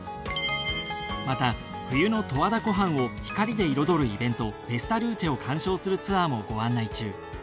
また冬の十和田湖畔を光で彩るイベントフェスタ・ルーチェを鑑賞するツアーもご案内中。